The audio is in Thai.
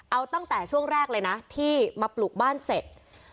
เอาตั้งแต่ช่วงแรกเลยนะที่มาปลูกบ้านเสร็จ